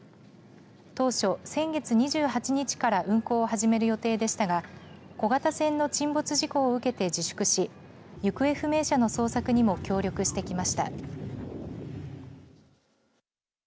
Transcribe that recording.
当初、先月２８日から運航を始める予定でしたが小型船の沈没事故を受けて自粛し行方不明者の捜索にも協力してきました。